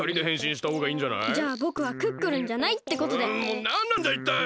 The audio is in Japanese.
もうなんなんだいったい！